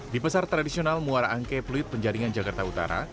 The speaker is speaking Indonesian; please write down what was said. di pasar tradisional muara angke pluit penjaringan jakarta utara